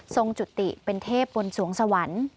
จุติเป็นเทพบนสวงสวรรค์